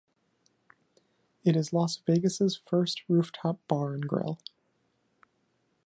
It is Las Vegas' first rooftop bar and grill.